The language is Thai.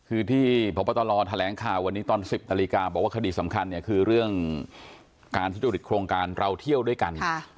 คือที่พตแถลงข่าววันนี้ตอน๑๐นบอกว่าคดีสำคัญคือเรื่องการทฤติภูมิโครงการเราเที่ยวด้วยกัน